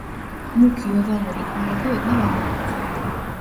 მუქი, ოვალური თვალები ოდნავ ამობურცულია.